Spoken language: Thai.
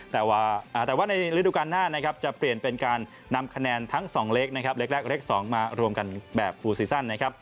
แต่ว่าในฤดูกรรณ์หน้าจะเปลี่ยนเป็นการนำคะแนนทั้งสองเลขเลขแรกและเลขสองมารวมกันแบบฟูลซีสัน